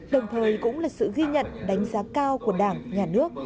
đồng thời cũng là sự ghi nhận đánh giá cao của đảng nhà nước